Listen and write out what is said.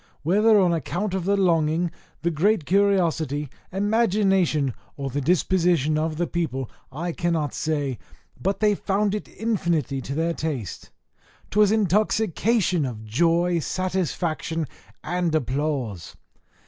Whether on account of the longing, the great curiosity, imagination, or the disposition of the people, I cannot say but they found it infinitely to their taste; 'twas intoxication of joy, satisfaction, and applause.